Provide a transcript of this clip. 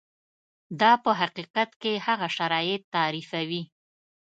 دا په حقیقت کې هغه شرایط تعریفوي.